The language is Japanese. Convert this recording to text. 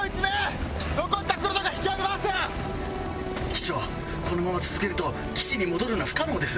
機長このまま続けると基地に戻るのは不可能です。